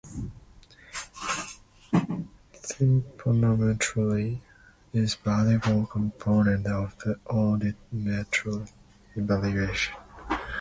Tympanometry is a valuable component of the audiometric evaluation.